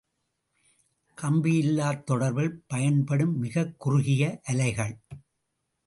கம்பியிலாத் தொடர்பில் பயன்படும் மிகக் குறுகிய அலைகள்.